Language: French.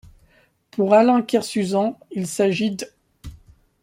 Pour Alain Kersuzan, il s'agit d'.